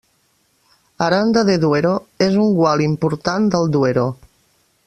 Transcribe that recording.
Aranda de Duero és un gual important del Duero.